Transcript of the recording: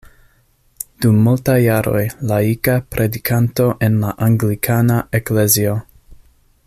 Dum multaj jaroj laika predikanto en la anglikana eklezio.